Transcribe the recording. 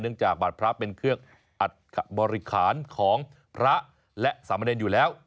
เนื่องจากบาตรพระเป็นเครื่องบริขารของพระและสามเด็นอยู่แล้ว